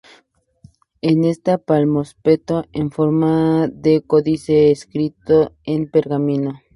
Este es un palimpsesto en forma de códice escrito en pergamino.